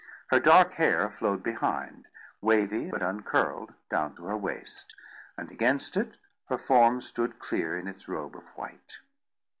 Her dark hair flowed behind, wavy but uncurled, down to her waist, and against it her form stood clear in its robe of white.